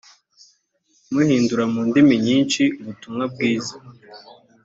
muhindura mu ndimi nyinshi ubutumwa bwiza